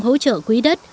hỗ trợ quỹ đất